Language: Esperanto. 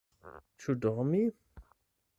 Ĉu dormi?